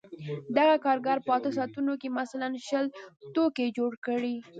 دغه کارګر په اته ساعتونو کې مثلاً شل توکي جوړ کړي